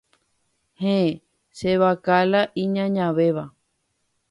Héẽ. Che vaka la iñañavéva.